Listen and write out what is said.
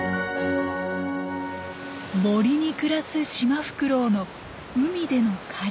森に暮らすシマフクロウの海での狩り。